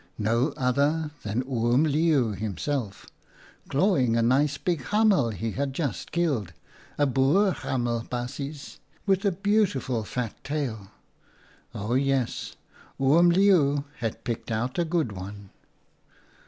No other than Oom Leeuw him self, clawing a nice big hamel he had just killed — a Boer hamel, baasjes, with a beauti ful fat tail. Oh yes, Oom Leeuw had picked out a good one.